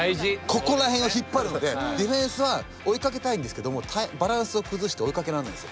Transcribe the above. ここら辺を引っ張るんでディフェンスは追いかけたいんですけどもバランスを崩して追いかけられないんですよ。